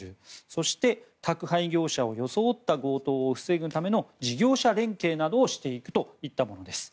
そして、宅配業者を装った強盗を防ぐための事業者連携などをしていくといったものです。